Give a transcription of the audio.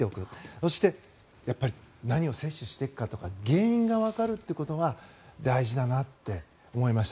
そして、やっぱり何を摂取していくかとか原因がわかるということが大事だなって思いました。